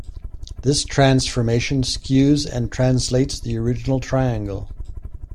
This transformation skews and translates the original triangle.